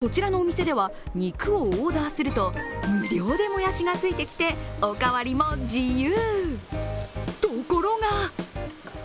こちらのお店では、肉をオーダーすると無料でもやしがついてきておかわりも自由。